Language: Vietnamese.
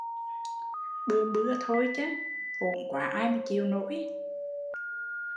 Bừa bưa thôi chớ, hỗn quá ai mà chịu nổi!